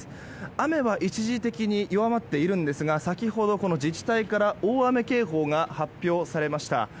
雨は、一時的に弱まっているんですが先ほど、自治体から大雨警報が発表されました。